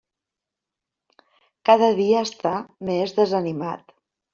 Cada dia està més desanimat.